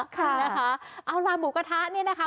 ค่ะนะคะเอาล่ะหมูกระทะเนี่ยนะคะ